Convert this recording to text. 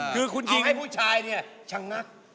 ทั้งผู้ชายเนี่ยชังะ